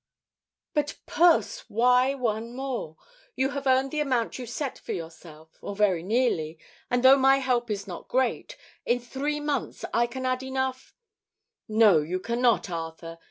"But, Puss, why one more? You have earned the amount you set for yourself, or very nearly, and though my help is not great, in three months I can add enough " "No, you cannot, Arthur.